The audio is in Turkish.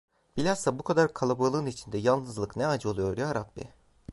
Bilhassa bu kadar kalabalığın içinde yalnızlık ne acı oluyor yarabbi!